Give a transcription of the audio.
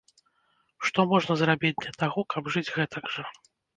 Што можна зрабіць для таго, каб жыць гэтак жа?